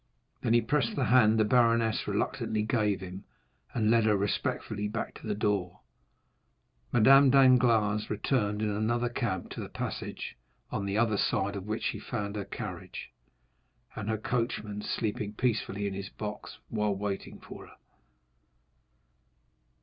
Then he pressed the hand the baroness reluctantly gave him, and led her respectfully back to the door. Madame Danglars returned in another cab to the passage, on the other side of which she found her carriage, and her coachman sleeping peacefully on his box while waiting for her.